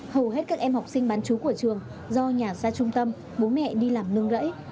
hầu hết các em học sinh bán chú của trường do nhà xa trung tâm bố mẹ đi làm nương rẫy